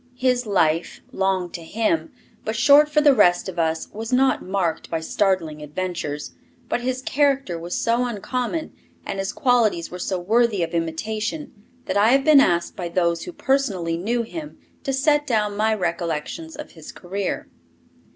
His life, long to him, but short for the rest of us, was not marked by startling adventures, but his character was so uncommon and his qualities were so worthy of imitation, that I have been asked by those who personally knew him to set down my recollections of his career.